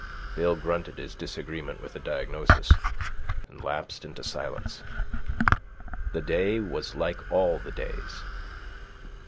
Bill grunted his disagreement with the diagnosis, and lapsed into silence. The day was like all the days.